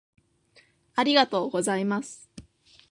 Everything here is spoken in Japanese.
ありがとうございます